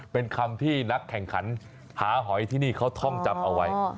เป็นคำที่นักแข่งขันหาหอยที่นี่เขาท่องจำเอาไว้